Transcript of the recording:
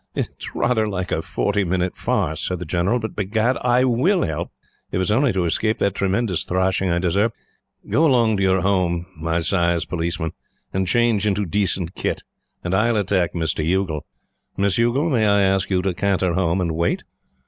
"It's rather like a forty minute farce," said the General, "but begad, I WILL help, if it's only to escape that tremendous thrashing I deserved. Go along to your home, my sais Policeman, and change into decent kit, and I'll attack Mr. Youghal. Miss Youghal, may I ask you to canter home and wait?"